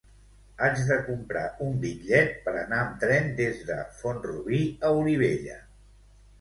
Haig de comprar un bitllet per anar amb tren des de Font-rubí a Olivella.